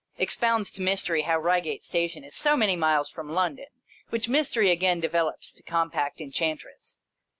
Expounds to Mys tery how Eeigate Station is so many miles from London, which Mystery again develops to Compact Enchantress.